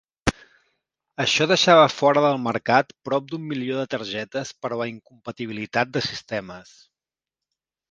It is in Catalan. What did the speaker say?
Això deixava fora del mercat prop d'un milió de targetes per la incompatibilitat de sistemes.